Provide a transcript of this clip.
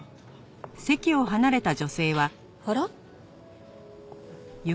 あら？